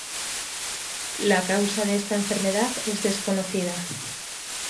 La causa de esta enfermedad es desconocida.